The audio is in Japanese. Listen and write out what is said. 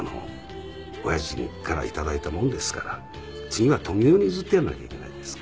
親父から頂いたものですから次は富美男に譲ってやらなきゃいけないんです。